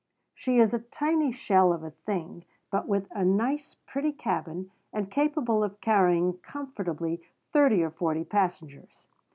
She is a tiny shell of a thing, but with a nice, pretty cabin, and capable of carrying comfortably thirty or forty passengers.